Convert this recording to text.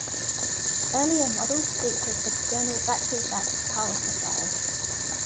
Earlier models featured external battery-backed power supplies.